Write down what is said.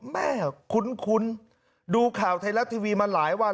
แม่คุ้นดูข่าวไทยรัฐทีวีมาหลายวัน